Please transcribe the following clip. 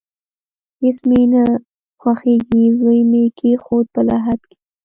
هیڅ مې نه خوښیږي، زوی مې کیښود په لحد کې